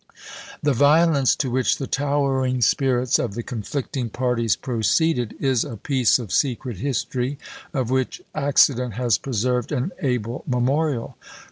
The violence to which the towering spirits of the conflicting parties proceeded is a piece of secret history, of which accident has preserved an able memorial.